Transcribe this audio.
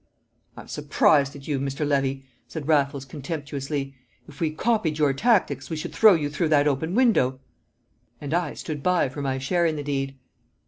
"I'm surprised at you, Mr. Levy," said Raffles, contemptuously; "if we copied your tactics we should throw you through that open window!" And I stood by for my share in the deed.